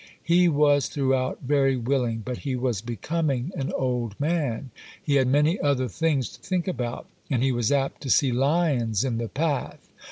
He was throughout very willing, but he was becoming an old man, he had many other things to think about, and he was apt to see lions in the path.